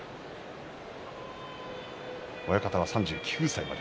親方は３９歳まで。